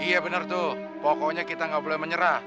iya bener tuh pokoknya kita gak boleh menyerah